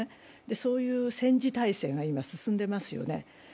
そういう戦時態勢が今、進んでいますよね。